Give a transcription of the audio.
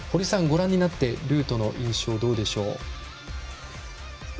堀さん、ご覧になってルートの印象、どうでしょう？